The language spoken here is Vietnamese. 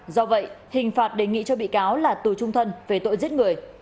do vậy hình phạt đề nghị cho bị cáo là tù trung thân về tội giết người